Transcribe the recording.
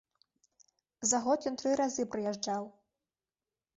За год ён тры разы прыязджаў.